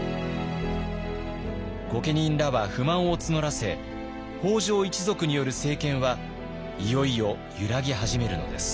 御家人らは不満を募らせ北条一族による政権はいよいよ揺らぎ始めるのです。